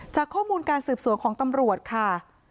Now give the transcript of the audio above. ข้อมูลการสืบสวนของตำรวจค่ะ